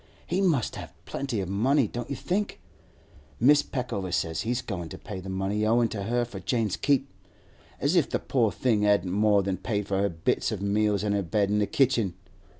He must have plenty of money, don't you think? Mrs. Peckover says he's goin' to pay the money owin' to her for Jane's keep. As if the poor thing hadn't more than paid for her bits of meals an' her bed in the kitchen!